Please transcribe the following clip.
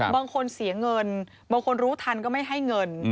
บางคนเสียเงินบางคนรู้ทันก็ไม่ให้เงิน